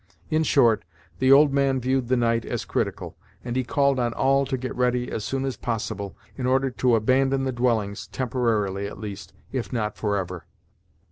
In short, the old man viewed the night as critical, and he called on all to get ready as soon as possible, in order to abandon the dwellings temporarily at least, if not forever.